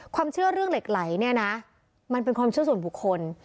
ความเชื่อเรื่องเหล็กไหลเนี่ยนะมันเป็นความเชื่อส่วนบุคคล